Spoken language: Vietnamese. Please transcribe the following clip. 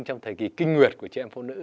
trong thời kỳ kinh nguyệt của chị em phụ nữ